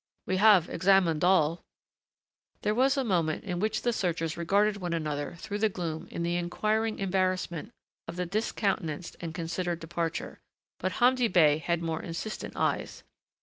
"We have examined all " There was a moment in which the searchers regarded one another through the gloom in the inquiring embarrassment of the discountenanced and considered departure. But Hamdi Bey had more insistent eyes.